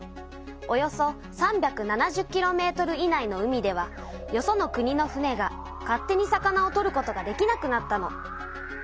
およそ３７０ｋｍ以内の海ではよその国の船が勝手に魚を取ることができなくなったの。